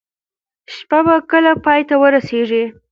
شپه به کله پای ته ورسیږي؟